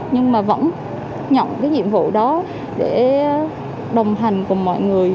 nhưng mà vẫn nhận cái nhiệm vụ đó để đồng hành cùng mọi người